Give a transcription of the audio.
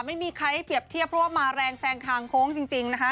ไม่มีใครให้เปรียบเทียบเพราะว่ามาแรงแซงทางโค้งจริงนะคะ